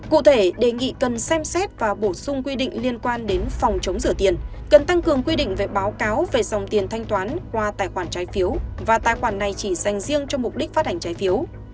cụ thể đề nghị cần xem xét và bổ sung quy định liên quan đến phòng chống rửa tiền cần tăng cường quy định về báo cáo về dòng tiền thanh toán qua tài khoản trái phiếu và tài khoản này chỉ dành riêng cho mục đích phát hành trái phiếu